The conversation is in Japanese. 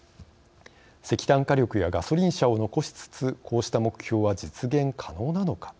石炭火力やガソリン車を残しつつこうした目標は実現可能なのか？